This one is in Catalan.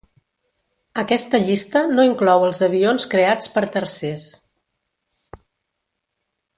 Aquesta llista no inclou els avions creats per tercers.